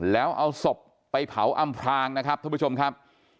แล้วเอาศพไปเผาอำพลางนะครับท่านผู้ชมครับ